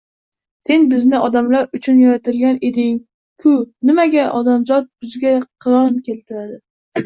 Sen bizni odamlar uchun yaratgan eding-ku, nimaga odamzod bizga qiron keltiradi.